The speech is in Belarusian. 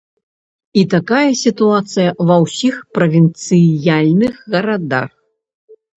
І такая сітуацыя ва ўсіх правінцыяльных гарадах.